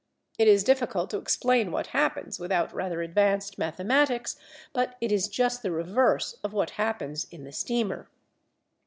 It is difficult to explain what happens without rather advanced mathematics, but it is just the reverse of what happens in the steamer.